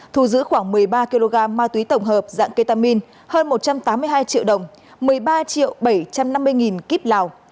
thu giữ khoảng một mươi ba kg ma túy tổng hợp dạng ketamin hơn một trăm tám mươi hai triệu đồng một mươi ba triệu bảy trăm năm mươi nghìn kíp lào